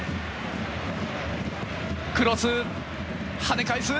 クロス跳ね返す。